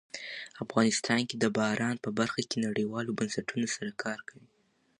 افغانستان د باران په برخه کې نړیوالو بنسټونو سره کار کوي.